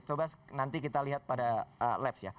coba nanti kita lihat pada laps ya